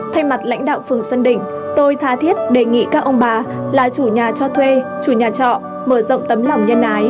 thay mặt lãnh đạo phường xuân đỉnh tôi tha thiết đề nghị các ông bà là chủ nhà cho thuê chủ nhà trọ mở rộng tấm lòng nhân ái